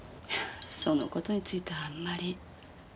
その事についてはあんまり。